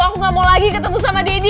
aku nggak mau lagi ketemu sama daddy